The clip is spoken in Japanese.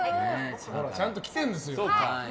ちゃんと来てるんですよ。